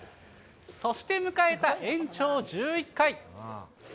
そして迎えた延長１１回。